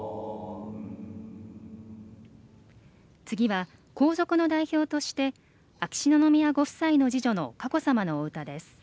次は、皇族の代表として秋篠宮ご夫妻の次女の佳子さまのお歌です。